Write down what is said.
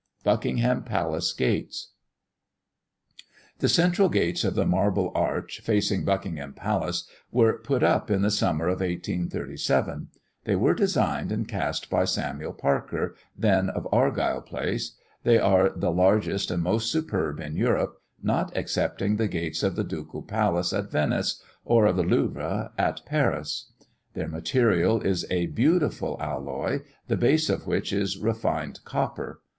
BUCKINGHAM PALACE GATES. The central gates of the marble arch, facing Buckingham Palace, were put up in the summer of 1837: they were designed and cast by Samuel Parker, then of Argyll place they are the largest and most superb in Europe, not excepting the gates of the Ducal Palace at Venice, or of the Louvre at Paris. Their material is a beautiful alloy, the base of which is refined copper.